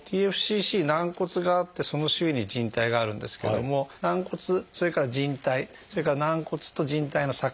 ＴＦＣＣ軟骨があってその周囲に靭帯があるんですけども軟骨それから靭帯それから軟骨と靭帯の境目